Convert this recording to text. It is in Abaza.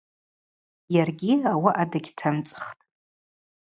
Йаргьи ауаъа дыгьтымцӏхтӏ.